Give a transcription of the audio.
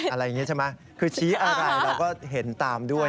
อะไรอย่างนี้ใช่ไหมคือชี้อะไรเราก็เห็นตามด้วย